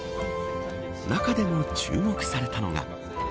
中でも注目されたのが。